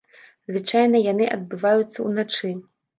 Звычайна яны адбываюцца ўначы.